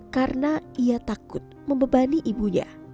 karena ia takut membebani ibunya